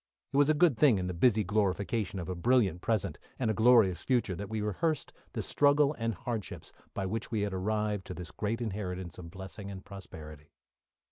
It was a good thing in the busy glorification of a brilliant present, and a glorious future, that we rehearsed the struggle and hardships by which we had arrived to this great inheritance of blessing and prosperity.